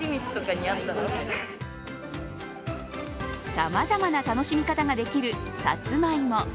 様々な楽しみ方ができるさつまいも。